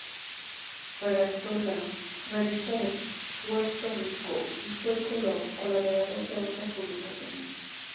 Redactó la "Revista de Puerto Rico" y fue colaborador de otras publicaciones.